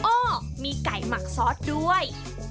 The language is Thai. โอ้มีไก่หมักซอสด้วย